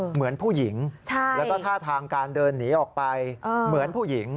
เหมือนผู้หญิงแล้วก็ท่าทางการเดินหนีออกไปเหมือนผู้หญิง